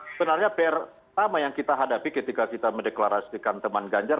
sebenarnya pr pertama yang kita hadapi ketika kita mendeklarasikan teman ganjar